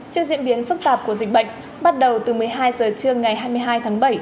trước diễn biến phức tạp của dịch bệnh bắt đầu từ một mươi hai giờ trưa ngày hai mươi hai tháng bảy